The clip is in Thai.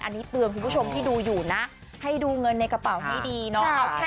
อันนี้เตือนคุณผู้ชมที่ดูอยู่นะให้ดูเงินในกระเป๋าให้ดีเนาะ